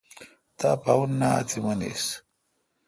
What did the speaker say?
تا پا اُنآ تی منیس